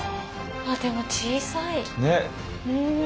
あでも小さい。ね！